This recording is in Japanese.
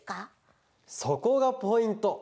そこがポイント。